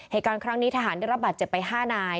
เหตุการณ์ครั้งนี้ทหารได้รับบาดเจ็บไป๕นาย